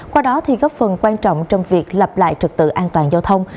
qua đó thì góp phần quan trọng trong việc lập lại trật tự an toàn giao thông